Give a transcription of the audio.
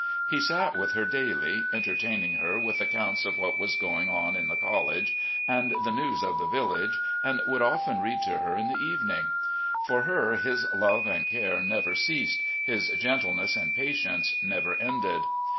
He sat with her daily, entertaining her with accounts of what was doing in the college, and the news of the village, and woidd 326 RECOLLECTIONS OF GENERAL LEE often read to her in the evening. For her his love and care never ceased, his gentleness and patience never ended.